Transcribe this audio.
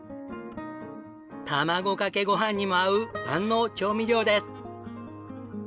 卵かけご飯にも合う万能調味料です。